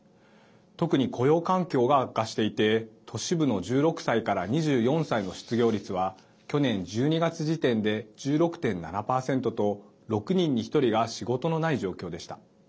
特に雇用環境が悪化していて都市部の１６歳から２４歳の失業率は去年１２月時点で１６．７％と６人に１人が仕事のない状況でした。